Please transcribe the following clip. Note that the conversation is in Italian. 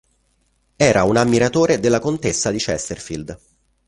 Era un ammiratore della contessa di Chesterfield.